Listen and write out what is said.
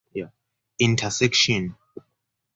Intersection.